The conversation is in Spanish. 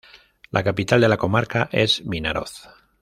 La capital de la comarca es Vinaroz.